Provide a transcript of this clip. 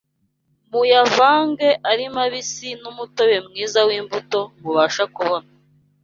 Muyavange ari mabisi n’umutobe mwiza w’imbuto mubasha kubona